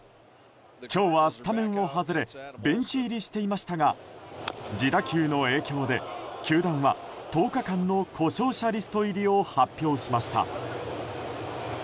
今日はスタメンを外れベンチ入りしていましたが自打球の影響で球団は１０日間の故障者リスト入りを発表しました。